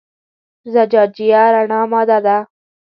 زجاجیه رڼه ماده ده.